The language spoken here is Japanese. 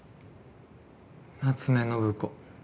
夏目信子。